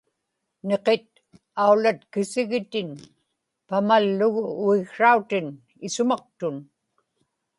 niqit aulatkisigitin pamallugu uiksrautin isumaktun